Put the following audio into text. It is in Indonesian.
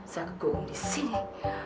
saya kegugung di sini